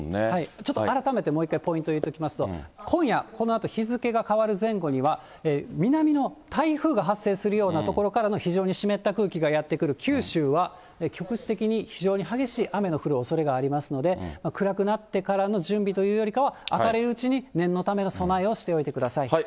ちょっと改めてもう一回、ポイント言っておきますと、今夜、このあと日付が変わる前後には、南の台風が発生するようなところからの非常に湿った空気がやって来る九州は、局地的に非常に激しい雨の降るおそれがありますので、暗くなってからの準備というよりかは明るいうちに、念のための備えをしておいてください。